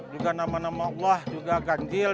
juga nama nama allah juga ganjil